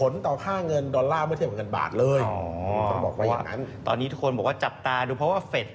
มันมีผลต่อค่าเงินดอลลาร์ไม่เทียบกับเงินบาทตอนนี้ทุกคนบอกว่าจับตาดูเพราะว่าเฟศ